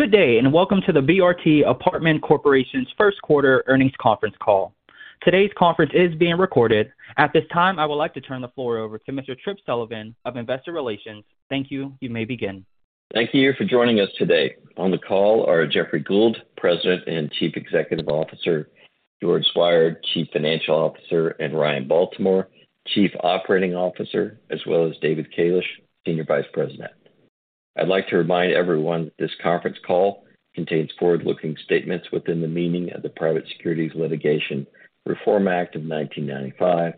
Good day. Welcome to the BRT Apartments Corporation's first quarter earnings conference call. Today's conference is being recorded. At this time, I would like to turn the floor over to Mr. Tripp Sullivan of Investor Relations. Thank you. You may begin. Thank you for joining us today. On the call are Jeffrey Gould, President and Chief Executive Officer, George Zweier, Chief Financial Officer, and Ryan Baltimore, Chief Operating Officer, as well as David Kalish, Senior Vice President. I'd like to remind everyone this conference call contains forward-looking statements within the meaning of the Private Securities Litigation Reform Act of 1995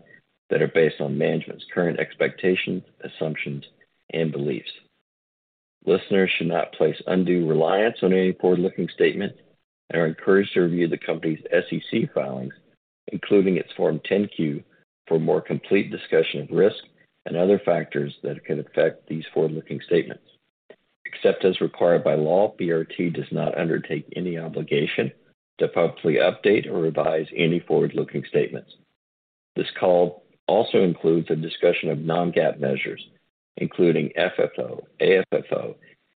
that are based on management's current expectations, assumptions, and beliefs. Listeners should not place undue reliance on any forward-looking statement and are encouraged to review the company's SEC filings, including its Form 10-Q for more complete discussion of risk and other factors that could affect these forward-looking statements. Except as required by law, BRT does not undertake any obligation to publicly update or revise any forward-looking statements. This call also includes a discussion of non-GAAP measures, including FFO, AFFO,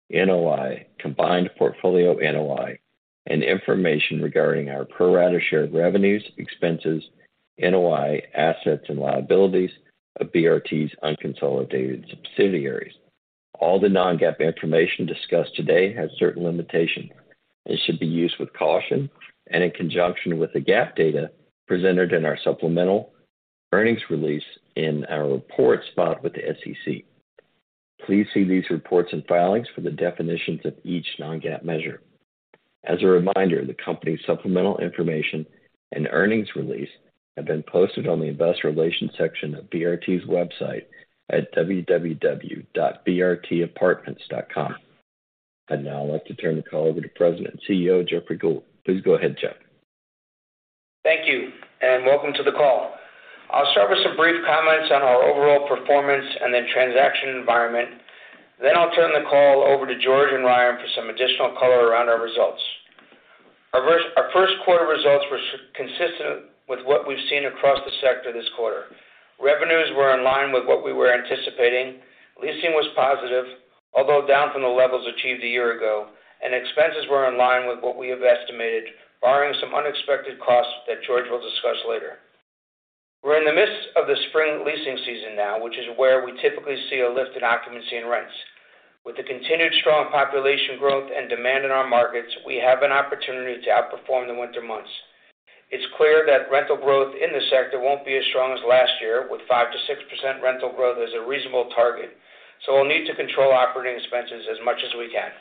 NOI, Combined Portfolio NOI, and information regarding our pro rata shared revenues, expenses, NOI, assets, and liabilities of BRT's unconsolidated subsidiaries. All the non-GAAP information discussed today has certain limitations and should be used with caution and in conjunction with the GAAP data presented in our supplemental earnings release in our reports filed with the SEC. Please see these reports and filings for the definitions of each non-GAAP measure. As a reminder, the company's supplemental information and earnings release have been posted on the investor relations section of BRT's website at www.brtapartments.com. I'd now like to turn the call over to President and CEO, Jeffrey Gould. Please go ahead, Jeff. Thank you. Welcome to the call. I'll start with some brief comments on our overall performance and the transaction environment. I'll turn the call over to George and Ryan for some additional color around our results. Our first quarter results were consistent with what we've seen across the sector this quarter. Revenues were in line with what we were anticipating. Leasing was positive, although down from the levels achieved a year ago, and expenses were in line with what we have estimated, barring some unexpected costs that George will discuss later. We're in the midst of the spring leasing season now, which is where we typically see a lift in occupancy and rents. With the continued strong population growth and demand in our markets, we have an opportunity to outperform the winter months. It's clear that rental growth in the sector won't be as strong as last year, with 5%-6% rental growth as a reasonable target. We'll need to control operating expenses as much as we can.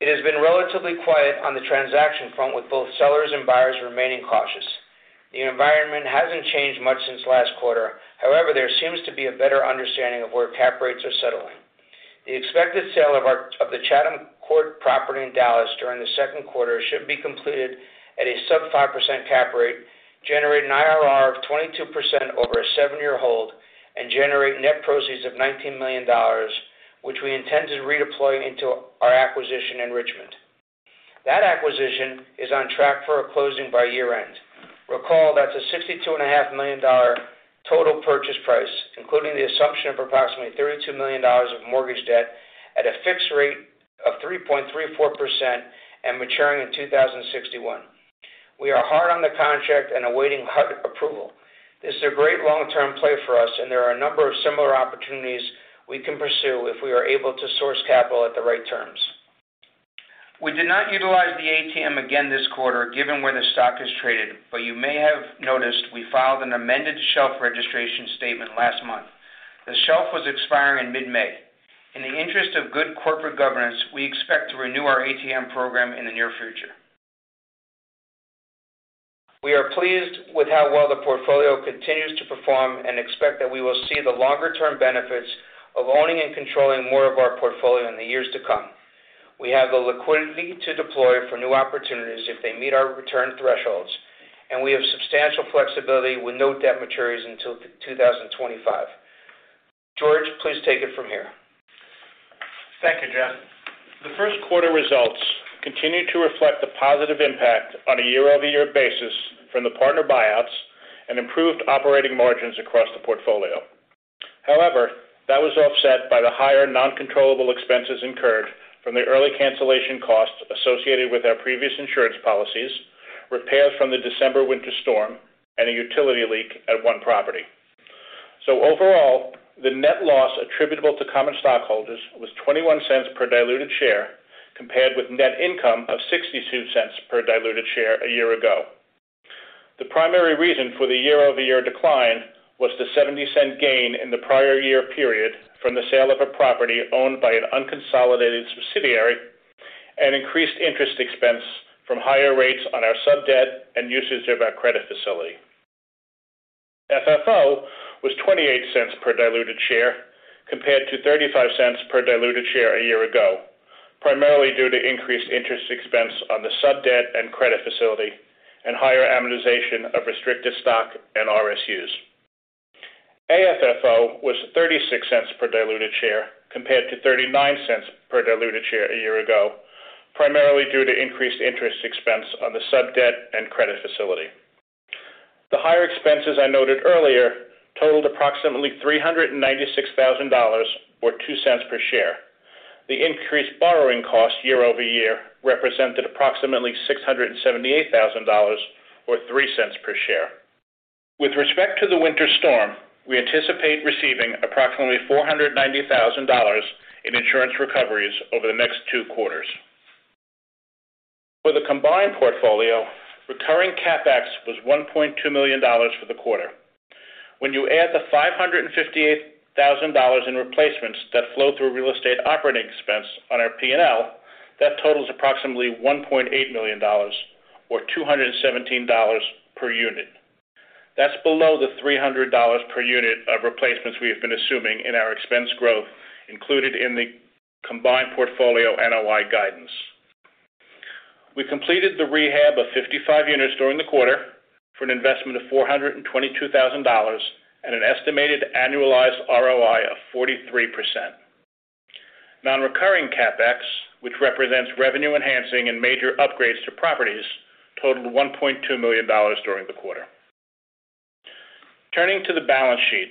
It has been relatively quiet on the transaction front with both sellers and buyers remaining cautious. The environment hasn't changed much since last quarter. There seems to be a better understanding of where cap rates are settling. The expected sale of the Chatham Court property in Dallas during the second quarter should be completed at a sub 5% cap rate, generate an IRR of 22% over a seven-year hold and generate net proceeds of $19 million, which we intend to redeploy into our acquisition in Richmond. That acquisition is on track for a closing by year-end. Recall that's a $62.5 million total purchase price, including the assumption of approximately $32 million of mortgage debt at a fixed rate of 3.34% and maturing in 2061. We are hard on the contract and awaiting HUD approval. This is a great long-term play for us, and there are a number of similar opportunities we can pursue if we are able to source capital at the right terms. We did not utilize the ATM again this quarter, given where the stock has traded, but you may have noticed we filed an amended shelf registration statement last month. The shelf was expiring in mid-May. In the interest of good corporate governance, we expect to renew our ATM program in the near future. We are pleased with how well the portfolio continues to perform and expect that we will see the longer-term benefits of owning and controlling more of our portfolio in the years to come. We have the liquidity to deploy for new opportunities if they meet our return thresholds, and we have substantial flexibility with no debt maturities until 2025. George, please take it from here. Thank you, Jeff. The first quarter results continue to reflect the positive impact on a year-over-year basis from the partner buyouts and improved operating margins across the portfolio. That was offset by the higher non-controllable expenses incurred from the early cancellation costs associated with our previous insurance policies, repairs from the December winter storm, and a utility leak at one property. Overall, the net loss attributable to common stockholders was $0.21 per diluted share, compared with net income of $0.62 per diluted share a year ago. The primary reason for the year-over-year decline was the $0.70 gain in the prior year period from the sale of a property owned by an unconsolidated subsidiary and increased interest expense from higher rates on our sub-debt and usage of our credit facility. FFO was $0.28 per diluted share, compared to $0.35 per diluted share a year ago, primarily due to increased interest expense on the sub-debt and credit facility and higher amortization of restricted stock and RSUs. AFFO was $0.36 per diluted share, compared to $0.39 per diluted share a year ago, primarily due to increased interest expense on the sub-debt and credit facility. The higher expenses I noted earlier totaled approximately $396,000 or $0.02 per share. The increased borrowing costs year-over-year represented approximately $678,000 or $0.03 per share. With respect to the winter storm, we anticipate receiving approximately $490,000 in insurance recoveries over the next two quarters. For the combined portfolio, recurring CapEx was $1.2 million for the quarter. When you add the $558,000 in replacements that flow through real estate operating expense on our P&L, that totals approximately $1.8 million or $217 per unit. That's below the $300 per unit of replacements we have been assuming in our expense growth included in the Combined Portfolio NOI guidance. We completed the rehab of 55 units during the quarter for an investment of $422,000 at an estimated annualized ROI of 43%. Non-recurring CapEx, which represents revenue enhancing and major upgrades to properties, totaled $1.2 million during the quarter. Turning to the balance sheet.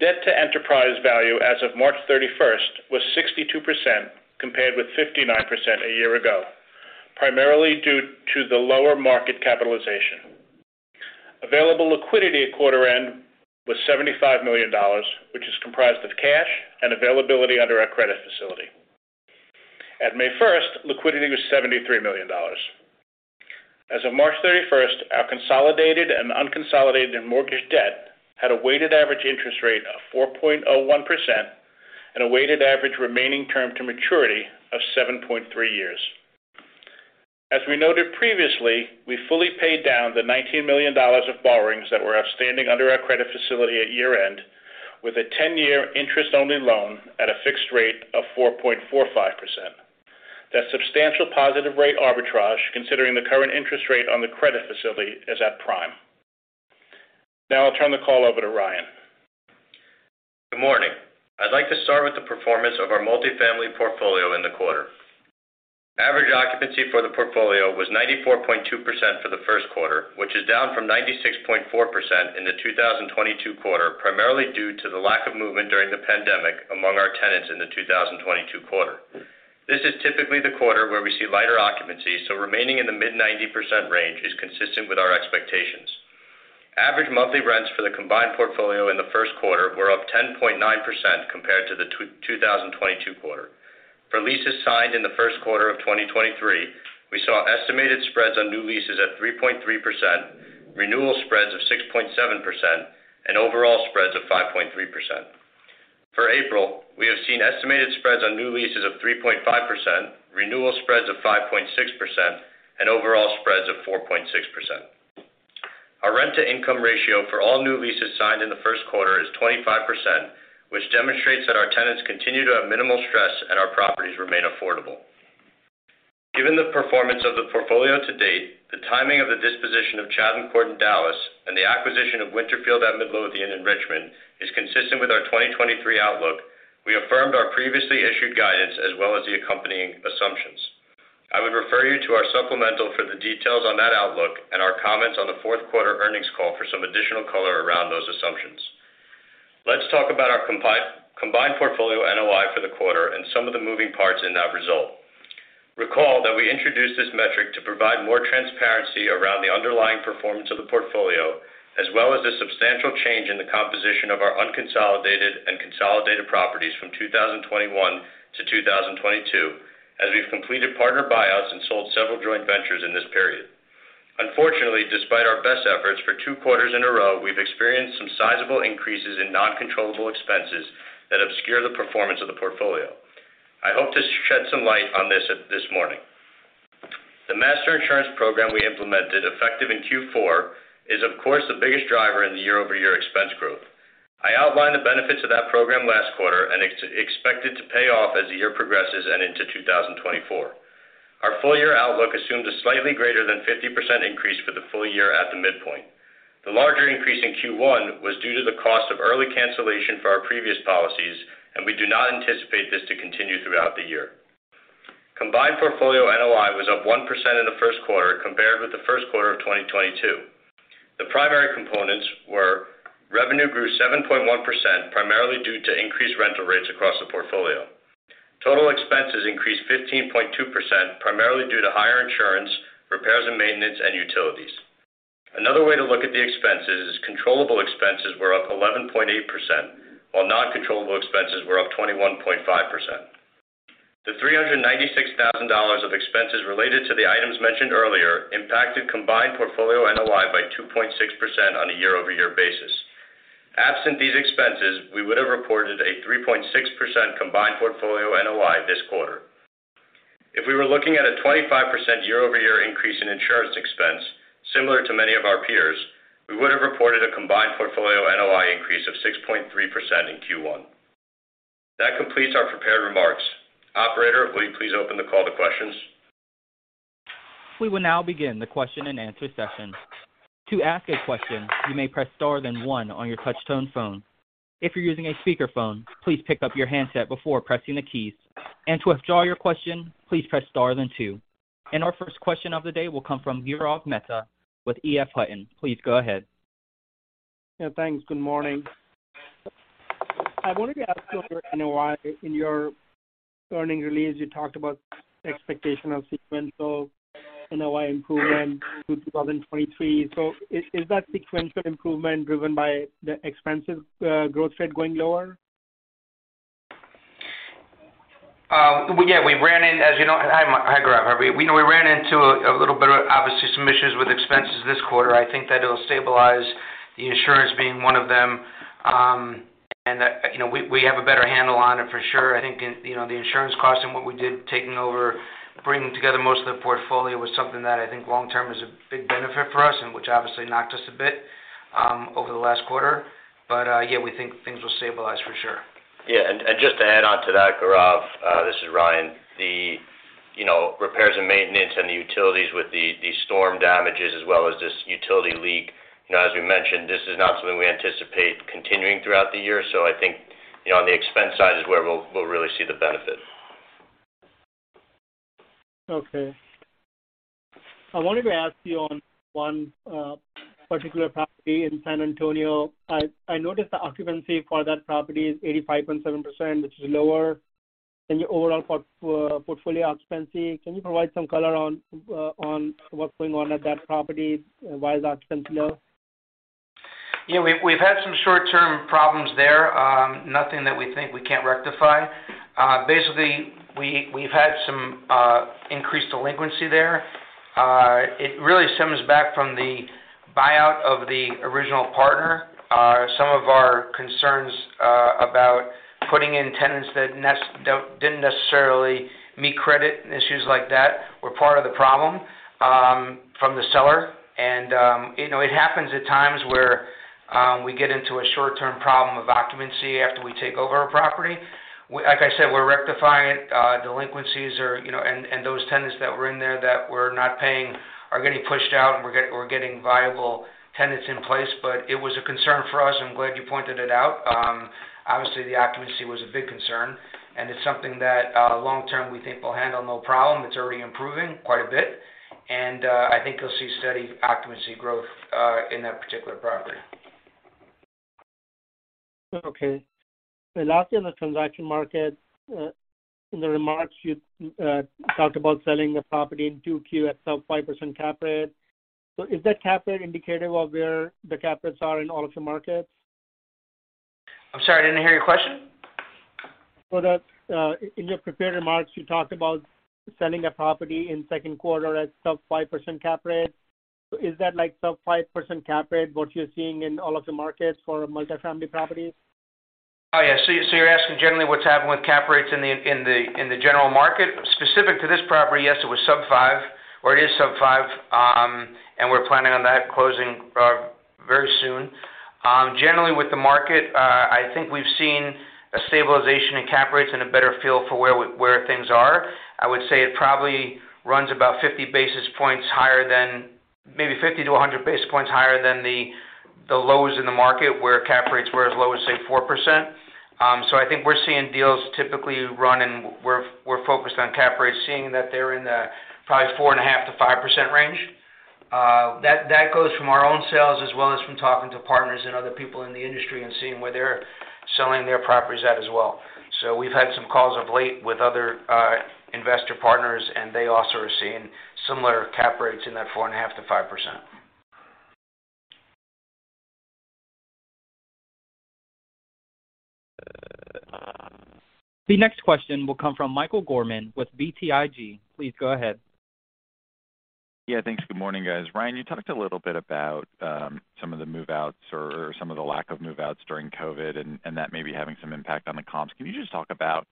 Debt to enterprise value as of March 31st was 62% compared with 59% a year ago, primarily due to the lower market capitalization. Available liquidity at quarter end was $75 million, which is comprised of cash and availability under our credit facility. At May 1st, liquidity was $73 million. As of March 31st, our consolidated and unconsolidated mortgage debt had a weighted average interest rate of 4.01% and a weighted average remaining term to maturity of 7.3 years. As we noted previously, we fully paid down the $19 million of borrowings that were outstanding under our credit facility at year-end with a 10-year interest-only loan at a fixed rate of 4.45%. That's substantial positive rate arbitrage, considering the current interest rate on the credit facility is at prime. I'll turn the call over to Ryan. Good morning. I'd like to start with the performance of our multifamily portfolio in the quarter. Average occupancy for the portfolio was 94.2% for the first quarter, which is down from 96.4% in the 2022 quarter, primarily due to the lack of movement during the pandemic among our tenants in the 2022 quarter. This is typically the quarter where we see lighter occupancy, so remaining in the mid-90% range is consistent with our expectations. Average monthly rents for the combined portfolio in the first quarter were up 10.9% compared to the 2022 quarter. For leases signed in the first quarter of 2023, we saw estimated spreads on new leases at 3.3%, renewal spreads of 6.7%, and overall spreads of 5.3%. For April, we have seen estimated spreads on new leases of 3.5%, renewal spreads of 5.6%, and overall spreads of 4.6%. Our rent-to-income ratio for all new leases signed in the first quarter is 25%, which demonstrates that our tenants continue to have minimal stress and our properties remain affordable. Given the performance of the portfolio to date, the timing of the disposition of Chatham Court in Dallas, and the acquisition of Winterfield at Midlothian in Richmond is consistent with our 2023 outlook, we affirmed our previously issued guidance as well as the accompanying assumptions. I would refer you to our supplemental for the details on that outlook and our comments on the fourth quarter earnings call for some additional color around those assumptions. Let's talk about our Combined Portfolio NOI for the quarter and some of the moving parts in that result. Recall that we introduced this metric to provide more transparency around the underlying performance of the portfolio, as well as the substantial change in the composition of our unconsolidated and consolidated properties from 2021 to 2022, as we've completed partner buyouts and sold several joint ventures in this period. Unfortunately, despite our best efforts for two quarters in a row, we've experienced some sizable increases in non-controllable expenses that obscure the performance of the portfolio. I hope to shed some light on this at this morning. The master insurance program we implemented effective in Q4 is, of course, the biggest driver in the year-over-year expense growth. I outlined the benefits of that program last quarter and expect it to pay off as the year progresses and into 2024. Our full year outlook assumed a slightly greater than 50% increase for the full year at the midpoint. The larger increase in Q1 was due to the cost of early cancellation for our previous policies. We do not anticipate this to continue throughout the year. Combined Portfolio NOI was up 1% in the first quarter compared with the first quarter of 2022. The primary components were: revenue grew 7.1%, primarily due to increased rental rates across the portfolio. Total expenses increased 15.2%, primarily due to higher insurance, repairs and maintenance, and utilities. Another way to look at the expenses is controllable expenses were up 11.8%, while non-controllable expenses were up 21.5%. The $396,000 of expenses related to the items mentioned earlier impacted Combined Portfolio NOI by 2.6% on a year-over-year basis. Absent these expenses, we would have reported a 3.6% Combined Portfolio NOI this quarter. If we were looking at a 25% year-over-year increase in insurance expense, similar to many of our peers, we would have reported a Combined Portfolio NOI increase of 6.3% in Q1. That completes our prepared remarks. Operator, will you please open the call to questions? We will now begin the question and answer session. To ask a question, you may press star then one on your touch tone phone. If you're using a speakerphone, please pick up your handset before pressing the keys. To withdraw your question, please press star then two. Our first question of the day will come from Gaurav Mehta with EF Hutton. Please go ahead. Yeah, thanks. Good morning. I wanted to ask you for NOI. In your earnings release, you talked about expectation of sequential NOI improvement through 2023. Is that sequential improvement driven by the expenses growth rate going lower? As you know. Hi, Gaurav. We know we ran into a little bit of, obviously, some issues with expenses this quarter. I think that it'll stabilize, the insurance being one of them. You know, we have a better handle on it for sure. I think in, you know, the insurance cost and what we did taking over, bringing together most of the portfolio was something that I think long-term is a big benefit for us and which obviously knocked us a bit over the last quarter. Yeah, we think things will stabilize for sure. Yeah. Just to add on to that, Gaurav, this is Ryan. You know, repairs and maintenance and the utilities with the storm damages as well as this utility leak. You know, as we mentioned, this is not something we anticipate continuing throughout the year. I think, you know, on the expense side is where we'll really see the benefit. Okay. I wanted to ask you on one particular property in San Antonio. I noticed the occupancy for that property is 85.7%, which is lower than your overall portfolio occupancy. Can you provide some color on what's going on at that property? Why is the occupancy low? Yeah. We've had some short-term problems there. Nothing that we think we can't rectify. Basically, we've had some increased delinquency there. It really stems back from the buyout of the original partner. Some of our concerns about putting in tenants that didn't necessarily meet credit, issues like that, were part of the problem from the seller. You know, it happens at times where we get into a short-term problem of occupancy after we take over a property. Like I said, we're rectifying it. Delinquencies are, you know. And those tenants that were in there that were not paying are getting pushed out, and we're getting viable tenants in place. It was a concern for us, and I'm glad you pointed it out. Obviously, the occupancy was a big concern, and it's something that, long-term we think we'll handle no problem. It's already improving quite a bit. I think you'll see steady occupancy growth, in that particular property. Okay. Lastly, on the transaction market, in the remarks you, talked about selling the property in 2Q at sub 5% cap rate. Is that cap rate indicative of where the cap rates are in all of your markets? I'm sorry, I didn't hear your question. That, in your prepared remarks, you talked about selling a property in second quarter at sub 5% cap rate. Is that like sub 5% cap rate what you're seeing in all of the markets for multifamily properties? Oh, yeah. You're asking generally what's happening with cap rates in the general market? Specific to this property, yes, it was sub 5%, or it is sub 5%. We're planning on that closing very soon. Generally with the market, I think we've seen a stabilization in cap rates and a better feel for where things are. I would say it probably runs about 50 basis points higher than... Maybe 50-100 basis points higher than the lows in the market where cap rates were as low as, say, 4%. I think we're seeing deals typically run and we're focused on cap rates, seeing that they're in the probably 4.5%-5% range. That goes from our own sales as well as from talking to partners and other people in the industry and seeing where they're selling their properties at as well. We've had some calls of late with other investor partners, and they also are seeing similar cap rates in that 4.5%-5%. The next question will come from Michael Gorman with BTIG. Please go ahead. Thanks. Good morning, guys. Ryan, you talked a little bit about some of the move-outs or some of the lack of move-outs during COVID, and that may be having some impact on the comps. Can you just talk about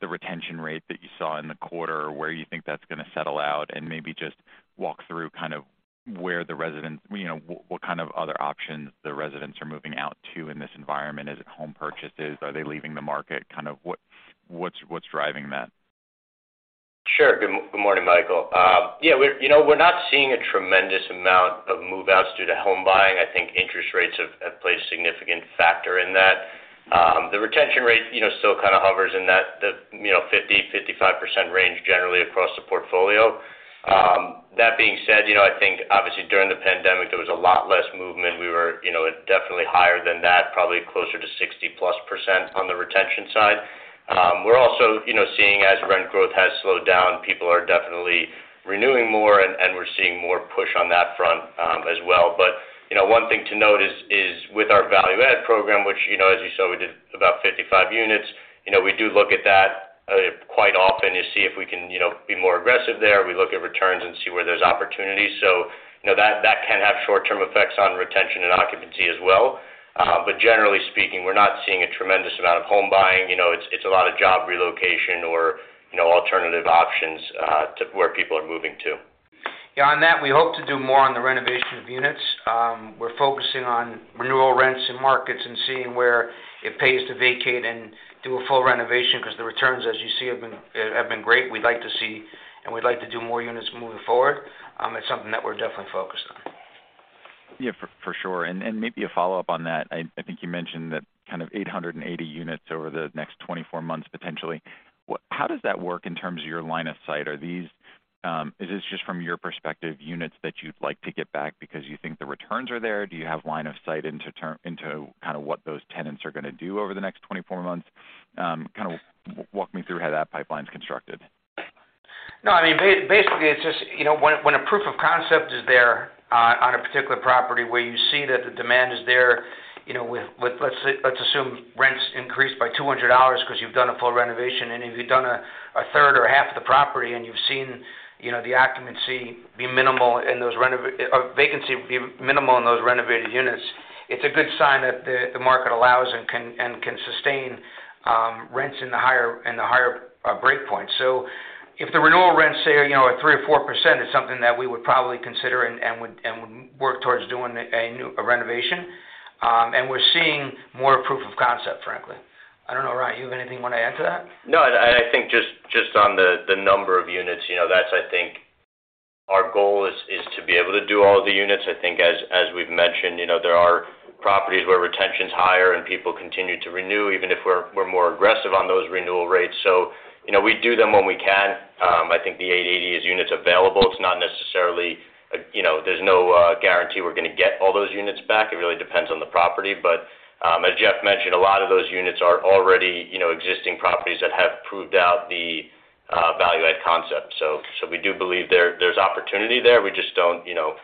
the retention rate that you saw in the quarter, where you think that's gonna settle out, and maybe just walk through kind of where the residents, you know, what kind of other options the residents are moving out to in this environment? Is it home purchases? Are they leaving the market? Kind of what's driving that? Sure. Good, good morning, Michael. Yeah, we're, you know, we're not seeing a tremendous amount of move-outs due to home buying. I think interest rates have played a significant factor in that. The retention rate, you know, still kind of hovers in that the, you know, 50%-55% range generally across the portfolio. That being said, you know, I think obviously during the pandemic, there was a lot less movement. We were, you know, definitely higher than that, probably closer to 60%+ on the retention side. We're also, you know, seeing as rent growth has slowed down, people are definitely renewing more, and we're seeing more push on that front, as well. you know, one thing to note is with our value add program, which, you know, as you saw, we did about 55 units, you know, we do look at that quite often to see if we can, you know, be more aggressive there. We look at returns and see where there's opportunities. you know, that can have short-term effects on retention and occupancy as well. Generally speaking, we're not seeing a tremendous amount of home buying. You know, it's a lot of job relocation or, you know, alternative options to where people are moving to. Yeah. On that, we hope to do more on the renovation of units. We're focusing on renewal rents and markets and seeing where it pays to vacate and do a full renovation because the returns, as you see, have been great. We'd like to see, we'd like to do more units moving forward. It's something that we're definitely focused on. Yeah, for sure. Maybe a follow-up on that. I think you mentioned that kind of 880 units over the next 24 months, potentially. How does that work in terms of your line of sight? Is this just from your perspective, units that you'd like to get back because you think the returns are there? Do you have line of sight into kind of what those tenants are gonna do over the next 24 months? Kind of walk me through how that pipeline's constructed. No, I mean, basically, it's just, you know, when a proof of concept is there on a particular property where you see that the demand is there, you know, with, let's assume rents increased by $200 'cause you've done a full renovation, and if you've done a third or half of the property and you've seen, you know, the occupancy be minimal in those Or vacancy be minimal in those renovated units, it's a good sign that the market allows and can sustain rents in the higher breakpoint. If the renewal rents, say, are, you know, at 3% or 4% is something that we would probably consider and would work towards doing a new renovation. And we're seeing more proof of concept, frankly. I don't know, Ryan, do you have anything you wanna add to that? I think just on the number of units, you know, that's, I think, our goal is to be able to do all the units. I think as we've mentioned, you know, there are properties where retention's higher and people continue to renew, even if we're more aggressive on those renewal rates. You know, we do them when we can. I think the 880 is units available. It's not necessarily, you know, there's no guarantee we're gonna get all those units back. It really depends on the property. As Jeff mentioned, a lot of those units are already, you know, existing properties that have proved out the value add concept. We do believe there's opportunity there. We just don't, you know,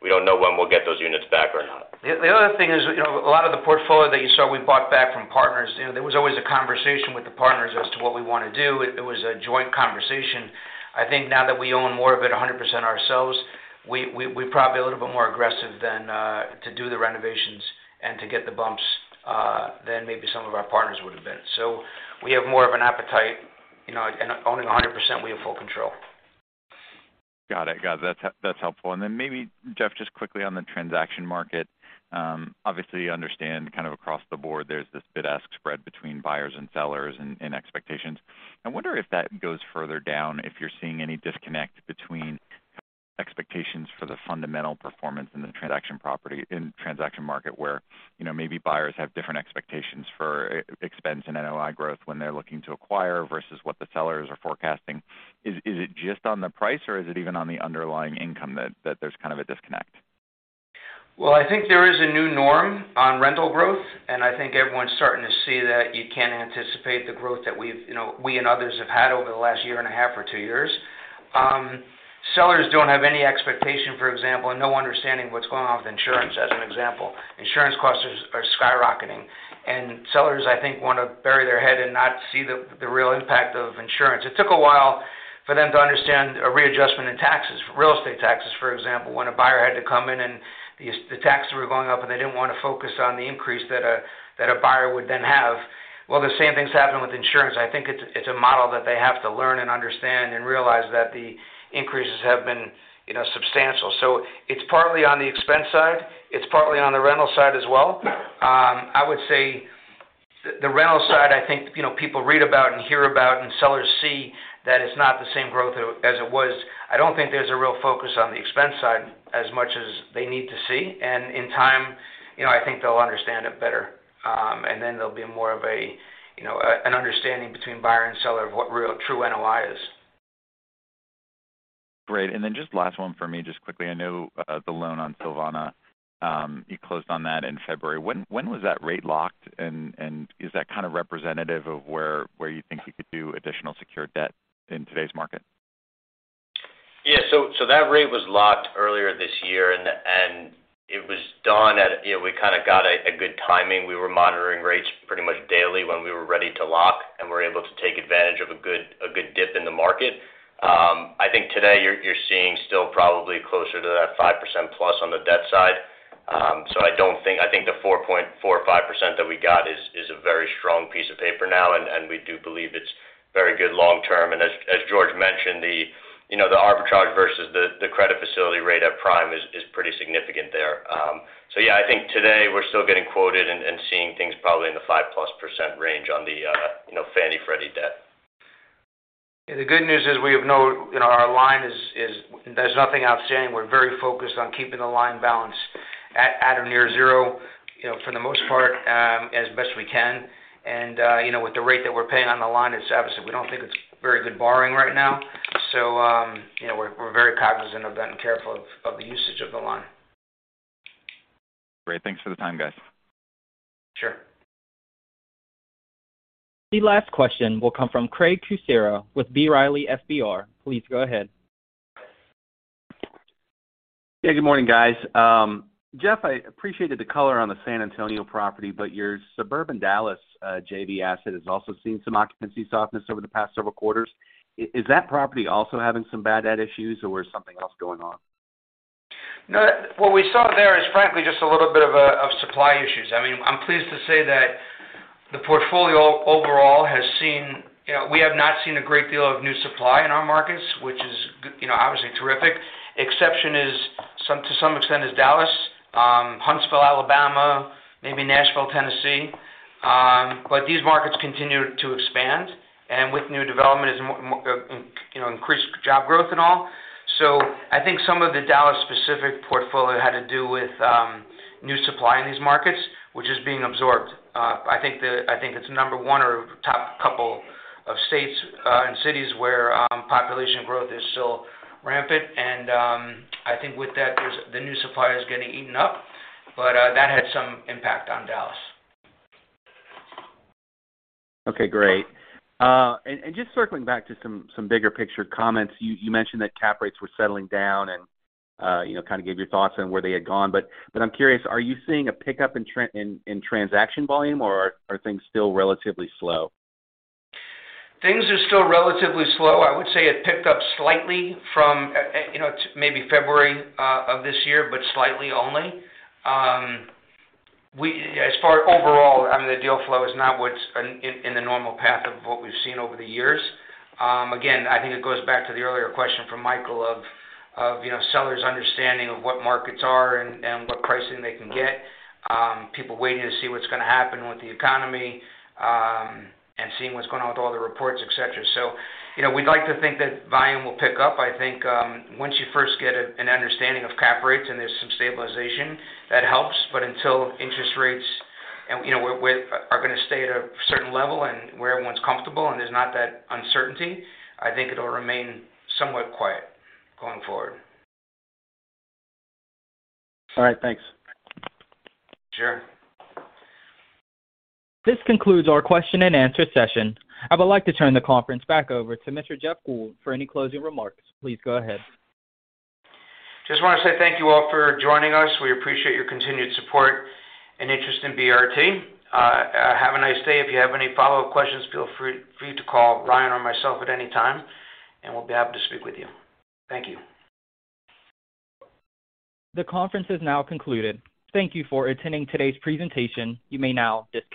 we don't know when we'll get those units back or not. The other thing is, you know, a lot of the portfolio that you saw we bought back from partners. You know, there was always a conversation with the partners as to what we wanna do. It was a joint conversation. I think now that we own more of it 100% ourselves, we're probably a little bit more aggressive than to do the renovations and to get the bumps than maybe some of our partners would have been. We have more of an appetite, you know, and owning 100%, we have full control. Got it. Got it. That's, that's helpful. Maybe, Jeff, just quickly on the transaction market, obviously you understand kind of across the board, there's this bid-ask spread between buyers and sellers and expectations. I wonder if that goes further down, if you're seeing any disconnect between expectations for the fundamental performance in the transaction property, transaction market, where, you know, maybe buyers have different expectations for e-expense and NOI growth when they're looking to acquire versus what the sellers are forecasting. Is it just on the price or is it even on the underlying income that there's kind of a disconnect? I think there is a new norm on rental growth, and I think everyone's starting to see that you can't anticipate the growth that we've, you know, we and others have had over the last year and a half or two years. Sellers don't have any expectation, for example, and no understanding what's going on with insurance, as an example. Insurance costs are skyrocketing. Sellers, I think, wanna bury their head and not see the real impact of insurance. It took a while for them to understand a readjustment in taxes, real estate taxes, for example, when a buyer had to come in and the taxes were going up and they didn't wanna focus on the increase that a buyer would then have. The same thing's happening with insurance. I think it's a model that they have to learn and understand and realize that the increases have been, you know, substantial. It's partly on the expense side. It's partly on the rental side as well. I would say the rental side, I think, you know, people read about and hear about and sellers see that it's not the same growth as it was. I don't think there's a real focus on the expense side as much as they need to see. In time, you know, I think they'll understand it better. Then there'll be more of a, you know, an understanding between buyer and seller of what real true NOI is. Great. Just last one for me, just quickly. I know, the loan on Silvana, you closed on that in February. When was that rate locked? Is that kind of representative of where you think you could do additional secured debt in today's market? So that rate was locked earlier this year, and it was done at, you know, we kinda got a good timing. We were monitoring rates pretty much daily when we were ready to lock, and we were able to take advantage of a good dip in the market. I think today you're seeing still probably closer to that 5%+ on the debt side. I think the 4.45% that we got is a very strong piece of paper now, and we do believe it's very good long-term. As George mentioned, you know, the arbitrage versus the credit facility rate at Prime is pretty significant there. Yeah, I think today we're still getting quoted and seeing things probably in the 5%+ range on the Fannie/Freddie debt. The good news is we have no, you know, our line is there's nothing outstanding. We're very focused on keeping the line balance at or near zero, you know, for the most part, as best we can. You know, with the rate that we're paying on the line, it's obviously we don't think it's very good borrowing right now. You know, we're very cognizant of that and careful of the usage of the line. Great. Thanks for the time, guys. Sure. The last question will come from Craig Kucera with B. Riley FBR. Please go ahead. Good morning, guys. Jeff, I appreciated the color on the San Antonio property, but your suburban Dallas JV asset has also seen some occupancy softness over the past several quarters. Is that property also having some bad debt issues, or is something else going on? No. What we saw there is frankly just a little bit of supply issues. I mean, I'm pleased to say that the portfolio overall has seen, you know, we have not seen a great deal of new supply in our markets, which is you know, obviously terrific. Exception is to some extent is Dallas, Huntsville, Alabama, maybe Nashville, Tennessee. These markets continue to expand and with new development is You know, increased job growth and all. I think some of the Dallas specific portfolio had to do with new supply in these markets, which is being absorbed. I think the, I think it's number 1 or top couple of states, and cities where population growth is still rampant. I think with that, there's the new supply is getting eaten up. That had some impact on Dallas. Okay, great. Just circling back to some bigger picture comments. You mentioned that cap rates were settling down and, you know, kind of gave your thoughts on where they had gone. I'm curious, are you seeing a pickup in transaction volume or are things still relatively slow? Things are still relatively slow. I would say it picked up slightly from, you know, maybe February of this year, but slightly only. As far overall, I mean, the deal flow is not what's in the normal path of what we've seen over the years. Again, I think it goes back to the earlier question from Michael of, you know, sellers understanding of what markets are and what pricing they can get. People waiting to see what's gonna happen with the economy, and seeing what's going on with all the reports, et cetera. You know, we'd like to think that volume will pick up. I think, once you first get an understanding of cap rates and there's some stabilization, that helps. Until interest rates and, you know, with are gonna stay at a certain level and where everyone's comfortable and there's not that uncertainty, I think it'll remain somewhat quiet going forward. All right. Thanks. Sure. This concludes our question and answer session. I would like to turn the conference back over to Mr. Jeff Gould for any closing remarks. Please go ahead. Just wanna say thank you all for joining us. We appreciate your continued support and interest in BRT. Have a nice day. If you have any follow-up questions, feel free to call Ryan or myself at any time, and we'll be happy to speak with you. Thank you. The conference is now concluded. Thank you for attending today's presentation. You may now disconnect.